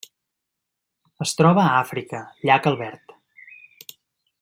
Es troba a Àfrica: llac Albert.